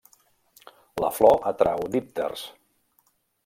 La flor atrau dípters.